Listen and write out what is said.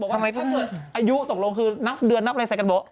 บอกว่าถ้าคุณอายุตกลงคือนับเดือนนับอะไรใส่กันโบ๊ะ